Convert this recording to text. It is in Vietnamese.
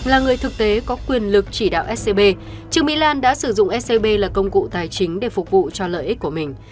là người thực tế có quyền lực chỉ đạo scb trương mỹ lan đã sử dụng scb là công cụ tài chính để phục vụ cho lợi ích của mình